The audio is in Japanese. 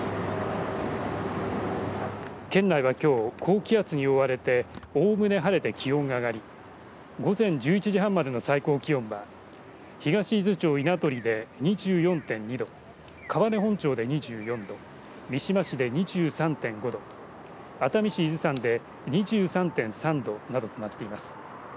県内はきょう、高気圧に覆われておおむね晴れて気温が上がり午前１１時半までの最高気温は東伊豆町稲取で２４．２度川根本町で２４度三島市で２３．５度熱海市伊豆山で２３．３度などとなっています。